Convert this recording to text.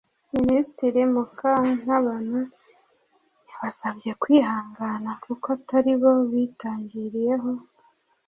Minisitiri Mukantabana yabasabye kwihangana kuko atari bo bitangiriyeho